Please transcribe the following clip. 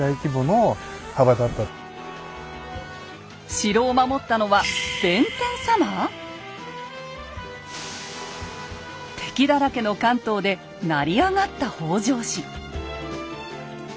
城を守ったのは敵だらけの関東で成り上がった北条氏。